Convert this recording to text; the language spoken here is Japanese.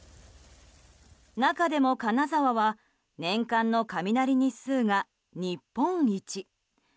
中でも金沢は年間の雷日数が日本一。